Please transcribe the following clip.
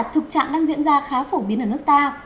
thực trạng đang diễn ra khá phổ biến ở nước ta